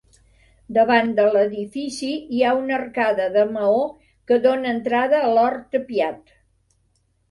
Davant de l'edifici hi ha una arcada de maó que dóna entrada a l'hort tapiat.